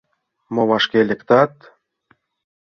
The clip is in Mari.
— Мо вашке лектат?